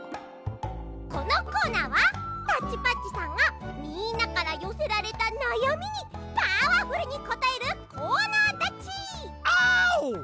このコーナーはタッチパッチさんがみんなからよせられたなやみにパワフルにこたえるコーナーだっち！アオ！